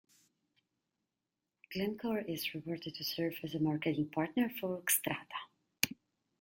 Glencore is reported to serve as a marketing partner for Xstrata.